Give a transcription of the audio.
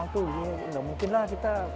nggak mungkin lah kita